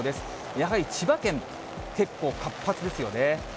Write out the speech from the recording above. やはり千葉県、結構活発ですよね。